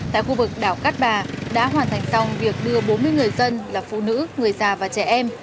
tại khu vực đảo cát bà đã hoàn thành xong việc đưa bốn mươi người dân là phụ nữ người già và trẻ em